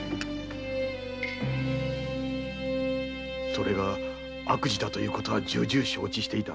それが悪事だということは重々承知していた。